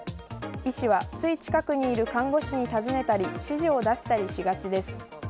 医師は、つい近くにいる看護師に尋ねたり指示を出したりしがちです。